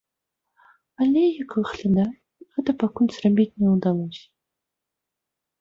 Але, як выглядае, гэта пакуль зрабіць не ўдалося.